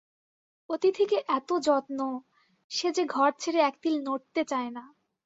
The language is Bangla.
অতিথিকে এত যত্ন, সে যে ঘর ছেড়ে এক তিল নড়তে চায় না।